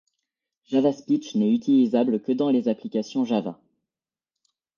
Java Speech n'est utilisable que dans les applications Java.